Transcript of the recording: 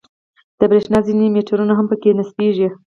د برېښنا ځینې میټرونه هم په کې نصبېږي.